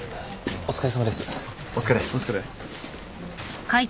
お疲れ。